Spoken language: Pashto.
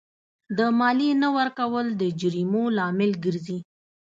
د مالیې نه ورکول د جریمو لامل ګرځي.